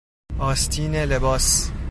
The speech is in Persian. آستین لباس